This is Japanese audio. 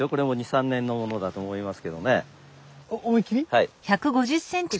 はい。